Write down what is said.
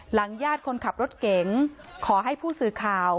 ญาติคนขับรถเก๋งขอให้ผู้สื่อข่าว